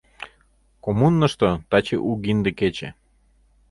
Коммунышто таче угинде кече.